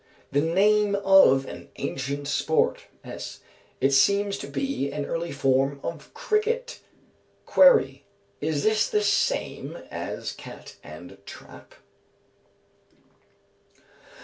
_ The name of an ancient sport (S.). It seems to be an early form of Cricket. (Query, is this the same as Cat and Trap?)